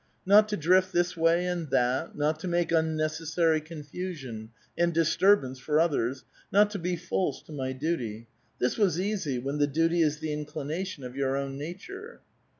Not to drift this way and that, not to make un necessary confusion and disturbance for others, not to be false to my duty, — this was easy, when the duty is the in clination of vour own nature.